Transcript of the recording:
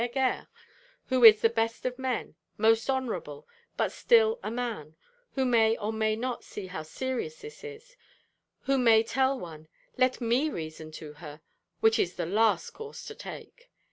Heger who is the best of men; most honourable, but still a man who may or may not see how serious this is: who may tell one, 'Let me talk reason to her,' which is the last course to take!